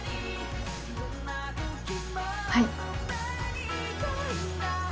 はい。